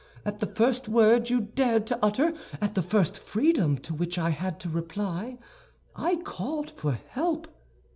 At the first word you dared to utter, at the first freedom to which I had to reply, I called for help."